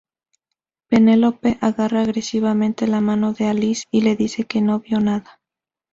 Penelope agarra agresivamente la mano de Alice y le dice que no vio nada.